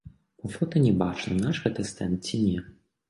Па фота не бачна, наш гэта стэнд ці не.